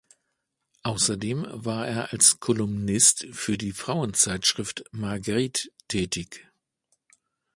Außerdem war er als Kolumnist für die Frauenzeitschrift "Margriet" tätig.